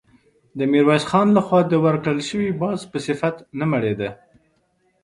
د ميرويس خان له خوا د ورکړل شوي باز په صفت نه مړېده.